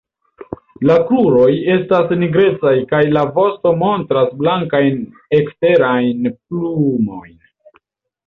La kruroj estas nigrecaj kaj la vosto montras blankajn eksterajn plumojn.